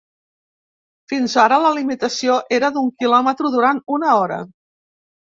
Fins ara la limitació era d’un quilòmetre durant una hora.